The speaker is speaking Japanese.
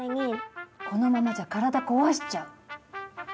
このままじゃ体こわしちゃう。